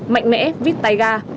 mạnh mẽ vít tay ga